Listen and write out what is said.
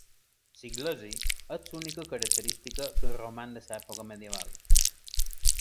L'església és l'única característica que roman de l'època medieval.